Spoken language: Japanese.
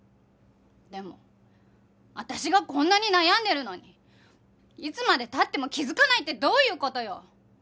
でも私がこんなに悩んでるのにいつまで経っても気づかないってどういう事よ？